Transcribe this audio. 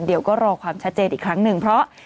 เดี๋ยวก็รอความชัดเจนอีกครั้งหนึ่งเพราะ